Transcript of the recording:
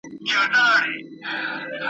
ورو په ورو د دام پر لوري ور روان سو ,